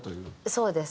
そうです。